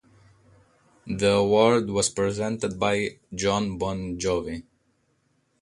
The award was presented by Jon Bon Jovi.